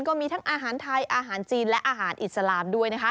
ก็มีทั้งอาหารไทยอาหารจีนและอาหารอิสลามด้วยนะคะ